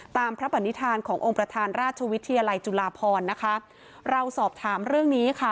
ตามพระปณิธานขององค์ประธานราชวิทยาลัยจุฬาพรนะคะเราสอบถามเรื่องนี้ค่ะ